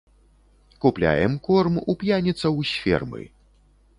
Купляем корм у п'яніцаў з фермы.